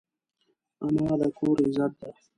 انا د کور عزت ده